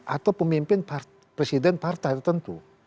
atau pemimpin presiden partai tertentu